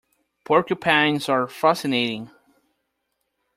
Porcupines are fascinating.